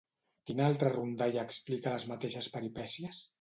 Quina altra rondalla explica les mateixes peripècies?